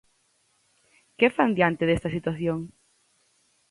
¿Que fan diante desta situación?